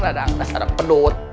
rasanya ada pedut